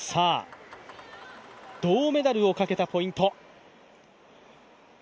銅メダルをかけたポイント。